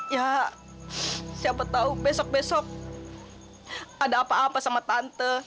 ya siapa tahu besok besok ada apa apa sama tante